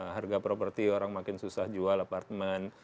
harga properti orang makin susah jual apartemen